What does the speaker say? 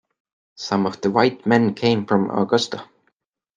Some of the white men came from Augusta.